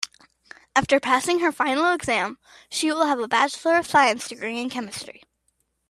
After passing her final exam she will have a bachelor of science degree in chemistry.